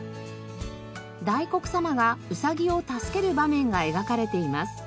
だいこく様がうさぎを助ける場面が描かれています。